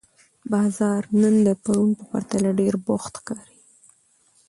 بازار نن د پرون په پرتله ډېر بوخت ښکاري